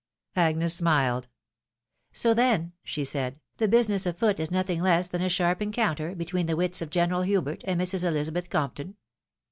COUNTER PLOTTING. 151 Agnes smiled, " So then," said she, " the business afoot is nothing less than a sharp encounter between the wits of General Hubert and Mrs. Elizabeth Compton.